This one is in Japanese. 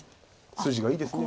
筋がいいです。